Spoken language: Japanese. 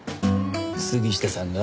杉下さんが？